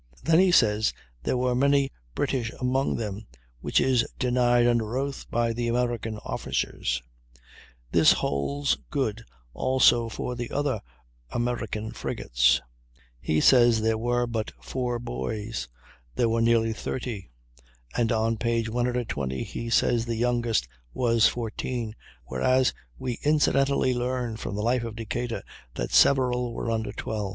Then he says there were many British among them, which is denied under oath by the American officers; this holds good also for the other American frigates. He says there were but 4 boys; there were nearly 30; and on p. 120 he says the youngest was 14, whereas we incidentally learn from the "Life of Decatur" that several were under 12.